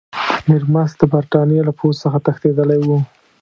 میرمست د برټانیې له پوځ څخه تښتېدلی وو.